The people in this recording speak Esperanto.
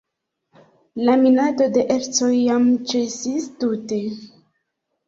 La minado de ercoj jam ĉesis tute.